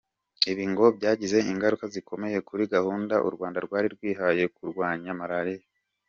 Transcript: Ibi ngo byagize ingaruka zikomeye kuri gahunda u Rwanda rwari rwihaye yo kurwanya malariya.